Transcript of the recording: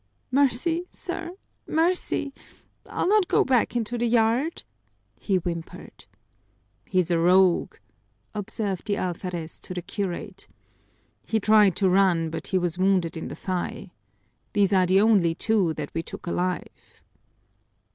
"Mercy, sir, mercy! I'll not go back into the yard," he whimpered. "He's a rogue," observed the alferez to the curate. "He tried to run, but he was wounded in the thigh. These are the only two that we took alive."